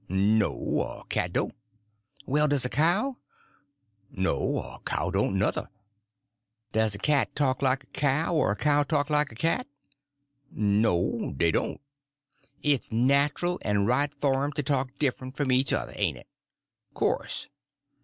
"No, a cat don't." "Well, does a cow?" "No, a cow don't, nuther." "Does a cat talk like a cow, or a cow talk like a cat?" "No, dey don't." "It's natural and right for 'em to talk different from each other, ain't it?" "Course."